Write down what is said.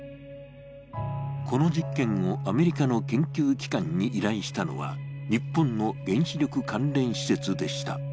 この実験をアメリカの研究機関に依頼したのは、日本の原子力関連施設でした。